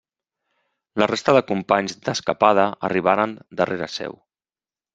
La resta de companys d'escapada arribaren darrere seu.